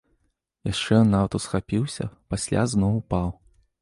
Яшчэ ён нават усхапіўся, пасля зноў упаў.